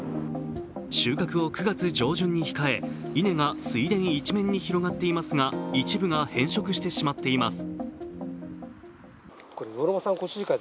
収穫を９月上旬に控え、稲が水田が一面に広がっていますが、一部が変色してしまっています。